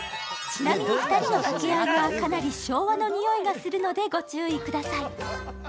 ちなみに２人の掛け合いは、かなり昭和のにおいがするのでご注意ください。